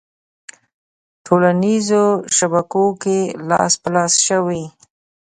ه ټولنیزو شبکو کې لاس په لاس شوې